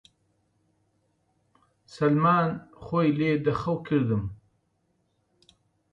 سەلمان! خۆی لێ دە خەو کردم